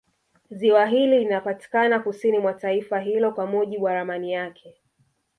Ziwa hili linapatikana kusini mwa taifa hilo kwa mujibu wa ramani yake